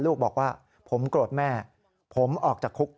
ลูกบอกว่าผมโกรธแม่ผมออกจากคุก